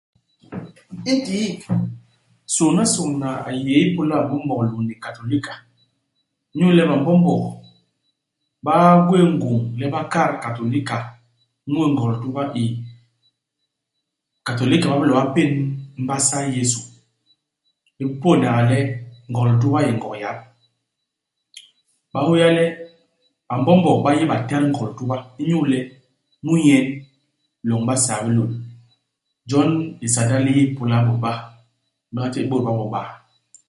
Intiik, sôñnasôñna a yé ipôla BaMbombog lôñni Katôlika. Inyu le BaMbombog ba gwéé ngôñ le ba kat Katôlika mu iNgog-Lituba i. Katôlika ba bilo ba pén mbasa i Yésu, i pôônaga le Ngog-Lituba i yé Ngog yap. Ba hôya le BaMbombog ba yé batat Ngog-Lituba, inyu le mu nyen loñ i Basaa i bilôl. Jon lisanda li yé ipôla ibôt ba, ibôt ba bo iba.